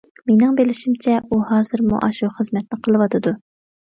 مېنىڭ بىلىشىمچە ئۇ ھازىرمۇ ئاشۇ خىزمەتنى قىلىۋاتىدۇ.